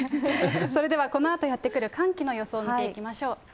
それではこのあとやって来る寒気の予想見ていきましょう。